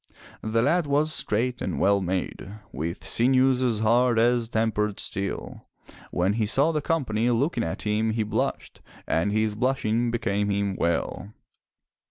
The lad was straight and well made, with sinews as hard as tempered steel. When he saw the company looking at him he blushed, and his blushing became him well.